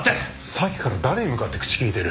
さっきから誰に向かって口利いてる？